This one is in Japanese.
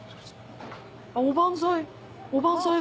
おばんざい！